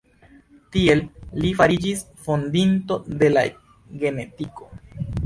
Tiel li fariĝis fondinto de la genetiko.